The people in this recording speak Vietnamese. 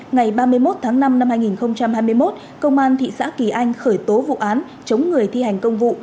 ngày ba mươi một tháng năm năm hai nghìn hai mươi một công an thị xã kỳ anh khởi tố vụ án chống người thi hành công vụ